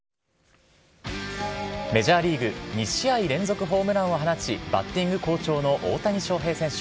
メジャーリーグ、２試合連続ホームランを放ち、バッティング好調の大谷翔平選手。